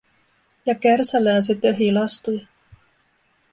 Ja kärsällään se töhi lastuja.